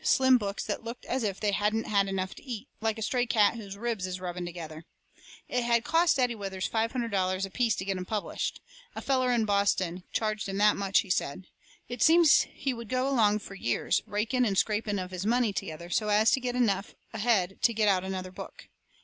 Slim books that looked as if they hadn't had enough to eat, like a stray cat whose ribs is rubbing together. It had cost Daddy Withers five hundred dollars apiece to get 'em published. A feller in Boston charged him that much, he said. It seems he would go along fur years, raking and scraping of his money together, so as to get enough ahead to get out another book.